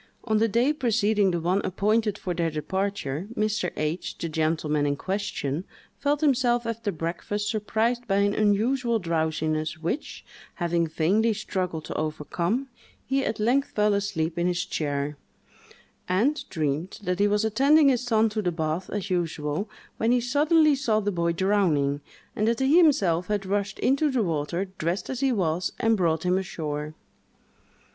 On the day preceding the one appointed for their departure, Mr. H——, the gentleman in question, felt himself after breakfast surprised by an unusual drowsiness, which, having vainly struggled to overcome, he at length fell asleep in his chair, and dreamed that he was attending his son to the bath as usual, when he suddenly saw the boy drowning, and that he himself had rushed into the water, dressed as he was, and brought him ashore.